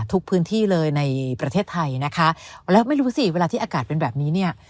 ทุกพื้นที่เลยในประเทศไทยนะคะแล้วไม่รู้สิเวลาที่อากาศเป็นแบบนี้เนี่ย